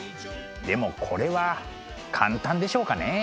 でもこれは簡単でしょうかね？